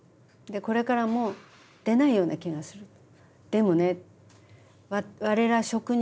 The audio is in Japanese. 「これからも出ないような気がする」と。